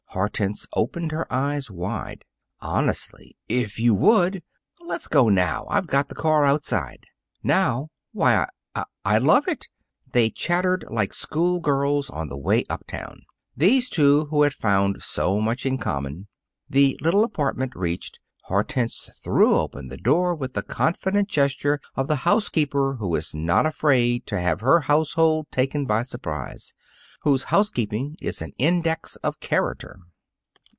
Hortense opened her eyes wide. "Honestly; if you would " "Let's go up now. I've the car outside." "Now! Why I I'd love it!" They chattered like schoolgirls on the way uptown these two who had found so much in common. The little apartment reached, Hortense threw open the door with the confident gesture of the housekeeper who is not afraid to have her household taken by surprise whose housekeeping is an index of character.